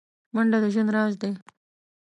منډه د ژوند راز دی